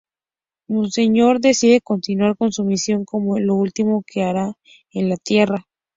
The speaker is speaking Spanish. Monseñor decide continuar con su misión, como lo último que hará en la tierra.